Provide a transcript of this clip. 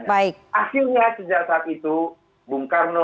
agar nama baik bung karno